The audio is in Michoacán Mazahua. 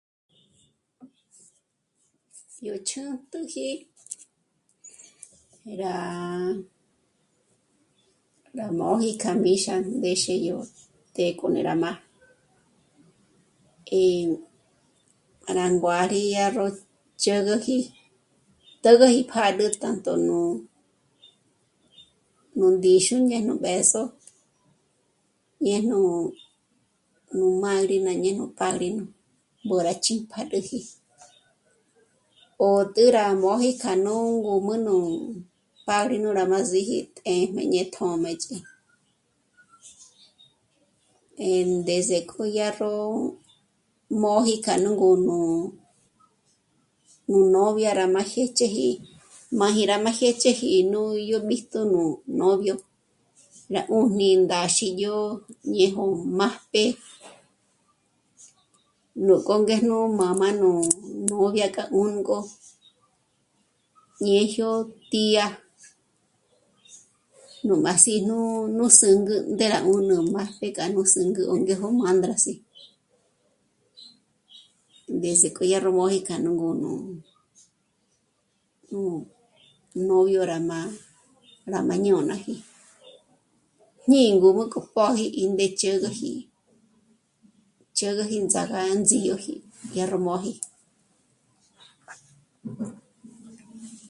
Yó ch'ǚntüji rá... móji kja míxa ndéxe yó të́'ë k'o ndé rá m'á'a eh... rá nguâri 'á ró ndzhǚgüji tägäji pjàdül tanto nú... nú ndíxu ñé'e nú b'ë̌zo néjñu nú mádrina ñéjo padrino mbôra chi'tpjàdüji 'ó tä̂'ä rá móji k'a nú ngùm'ü no hûmü padrino ngóra síji të́jm'e ñé' tjṓmëch'i, eh... ndése k'o dyárró móji kja nú ngùm'u nú novia rá m'a jë̌ch'eji... m'a gí dyá rá jë̌ch'eji y ñú'u nú bíjtu nú novio, rá 'ùjni ndáxi yó néjo màjpje nú k'o ngéjnú má m'á'a nú novia k'a nú ngò, ñéjyo tía nú m'âs'í nú zü̂ngü ndé'e rá 'ùnü m'àjpje k'a nú zü̂ngü 'òngéjo m'ândrasi, ndése k'o dyá rú móji k'a nú 'ùnu nú... nú dyó'o rá m'á'a, rá m'ajñónaji, ñī̂'ī ngó jmúk'u póji ìndèchä̂gäji... ndèchä̂gäji ts'ájá índzídyoji dyárró móji